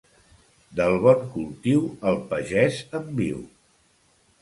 Del bon cultiu el pagès en viu.